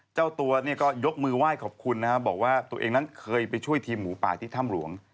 เจ้าตัวเนี่ยก็ยกมือไหว้ขอบคุณนะครับบอกว่าตัวเองนั้นเคยไปช่วยทีมหมูป่าที่ถ้ำหลวง